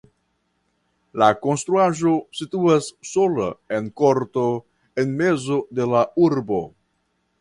La konstruaĵo situas sola en korto en mezo de la urbo.